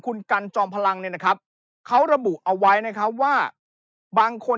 คุณกันจอมพลังเนี่ยนะครับเขาระบุเอาไว้นะครับว่าบางคน